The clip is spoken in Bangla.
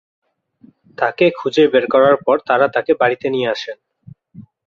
তাকে খুঁজে বের করার পর তারা তাকে বাড়িতে নিয়ে আসেন।